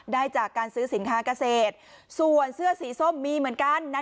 ได้จากการซื้อสินค้าเกษตรส่วนเสื้อสีส้มมีเหมือนกัน